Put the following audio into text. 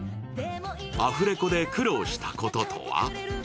アフレコで苦労したこととは？